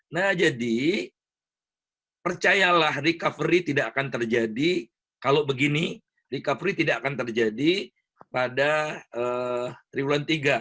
nah jadi percayalah recovery tidak akan terjadi kalau begini recovery tidak akan terjadi pada tribulan tiga